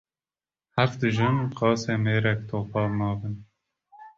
Heft jin qasê mêrek topal nabin